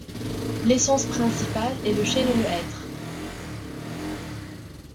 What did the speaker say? L'essence principale est le chêne et le hêtre.